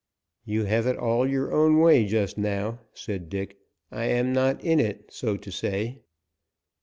"You have it all your own way, just now," said Dick. "I am not in it, so to say."